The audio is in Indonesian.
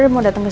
tidak tau kan